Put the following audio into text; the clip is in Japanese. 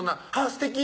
すてき